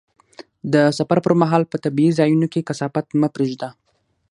د سفر پر مهال په طبیعي ځایونو کې کثافات مه پرېږده.